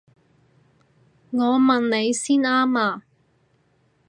我問你先啱啊！